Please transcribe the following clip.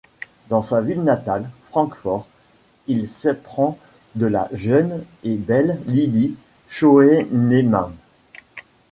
Dans sa ville natale, Francfort, il s'éprend de la jeune et belle Lili Schoenemann.